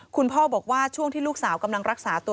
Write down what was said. คุณพ่อบอกว่าช่วงที่ลูกสาวกำลังรักษาตัว